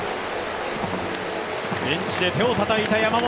ベンチで手をたたいた山本。